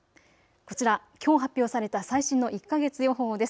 こちら、きょう発表された最新の１か月予報です。